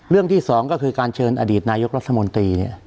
ที่สองก็คือการเชิญอดีตนายกรัฐมนตรี